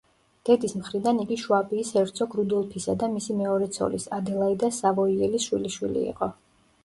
დედის მხრიდან იგი შვაბიის ჰერცოგ რუდოლფისა და მისი მეორე ცოლის, ადელაიდა სავოიელის შვილიშვილი იყო.